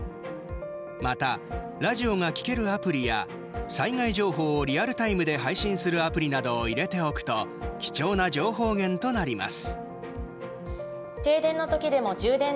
またラジオが聴けるアプリや災害情報をリアルタイムで配信するアプリなどを入れておくと貴重な情報源となります。